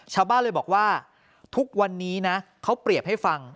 ชาวบ้านเลยบอกว่าทุกวันนี้นะเขาเปรียบให้ฟัง